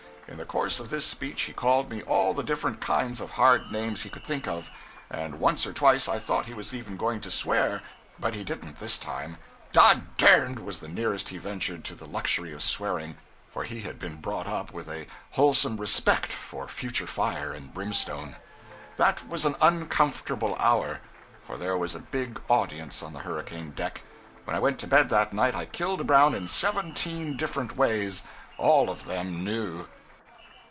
In the course of this speech he called me all the different kinds of hard names he could think of, and once or twice I thought he was even going to swear but he didn't this time. 'Dod dern' was the nearest he ventured to the luxury of swearing, for he had been brought up with a wholesome respect for future fire and brimstone. That was an uncomfortable hour; for there was a big audience on the hurricane deck. When I went to bed that night, I killed Brown in seventeen different ways all of them new.